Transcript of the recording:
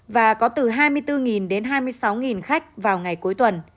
và có từ hai mươi bốn đến hai mươi sáu khách vào ngày cuối tuần